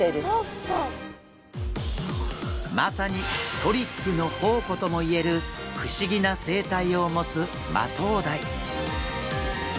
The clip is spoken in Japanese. まさにトリックの宝庫ともいえる不思議な生態を持つマトウダイ。